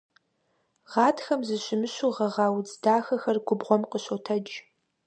Гъатхэм зэщымыщу гъэгъа удз дахэхэр губгъуэм къыщотэдж.